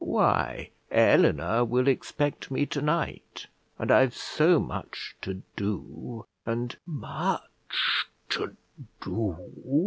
"Why, Eleanor will expect me tonight; and I've so much to do; and " "Much to do!"